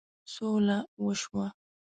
سوله وشوه.